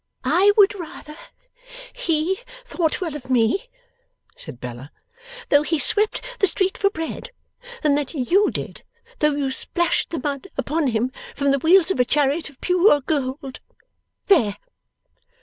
'I would rather he thought well of me,' said Bella, 'though he swept the street for bread, than that you did, though you splashed the mud upon him from the wheels of a chariot of pure gold. There!